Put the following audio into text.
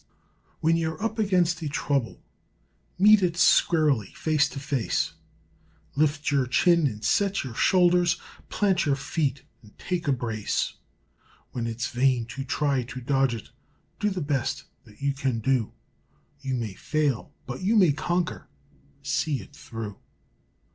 When you're up against a trouble, Meet it squarely, face to face; Lift your chin and set your shoulders, Plant your feet and take a brace. When it's vain to try to dodge it, Do the best that you can do; You may fail, but you may conquer, See it through!